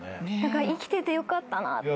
生きててよかったなって。